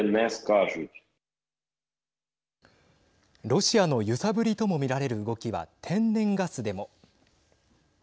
ロシアの揺さぶりとも見られる動きは天然ガスでも。